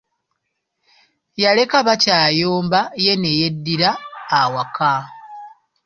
Yaleka bakyayomba ye ne yeddira awaka.